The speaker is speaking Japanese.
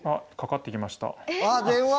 あっ電話！